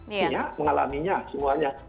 ini mengalaminya semuanya